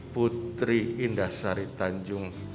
putri indah sari tanjung